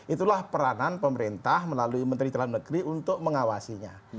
itulah peranan pemerintah melalui menteri dalam negeri untuk mengawasinya